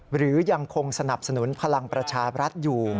หรือยังคงสนับสนุนพลังประชาบรัฐอยู่